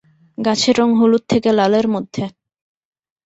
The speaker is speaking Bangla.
গাছের রঙ হলুদ থেকে লালের মধ্যে।